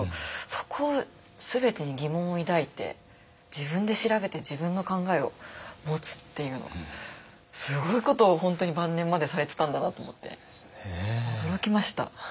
そこを全てに疑問を抱いて自分で調べて自分の考えを持つっていうのがすごいことを本当に晩年までされてたんだなと思って驚きました。